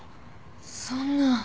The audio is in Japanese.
そんな。